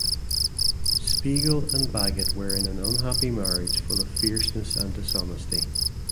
Spiegel and Baggett were in an unhappy marriage full of fierceness and dishonesty.